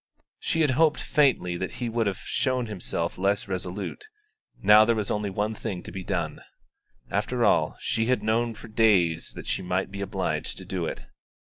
She had hoped faintly that he would have shown himself less resolute; now there was only one thing to be done. After all, she had known for days that she might be obliged to do it.